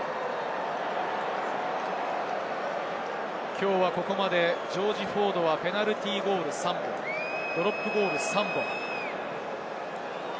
きょうはここまでジョージ・フォードはペナルティーゴール３本、ドロップゴール３本。